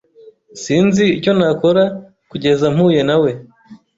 Sinzi icyo nakora'kugeza mpuye nawe